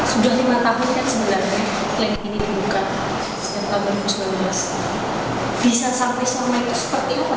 sejauh lima tahun kan sebenarnya klinik ini dibuka